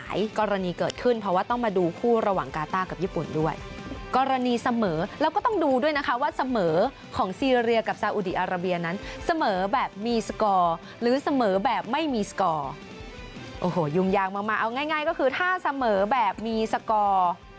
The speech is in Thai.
อาราเบียนั้นเสมอแบบมีสกอร์หรือเสมอแบบไม่มีสกอร์โอ้โหยุมยางมากเอาง่ายก็คือถ้าเสมอแบบมีสกอร์